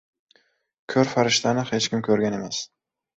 • Ko‘r farishtani hech kim ko‘rgan emas.